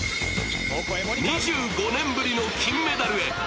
２５年ぶりの金メダルへ。